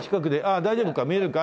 大丈夫か見えるか。